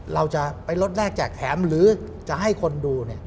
เราจะไปลดแรกแจกแถมหรือจะให้คนดู